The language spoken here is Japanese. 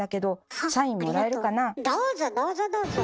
どうぞ！